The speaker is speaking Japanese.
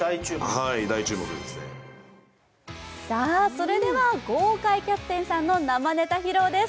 それでは豪快キャプテンさんの生ネタ披露です。